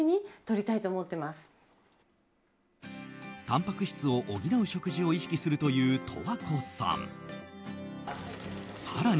たんぱく質を補う食事を意識するという十和子さん。